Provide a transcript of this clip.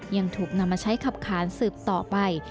ยังถูกนำมาใช้ขับขานสืบต่อไป